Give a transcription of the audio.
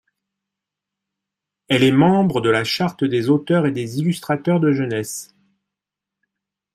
Elle est membre de la charte des auteurs et des illustrateurs de jeunesse.